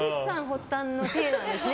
発端のていなんですね。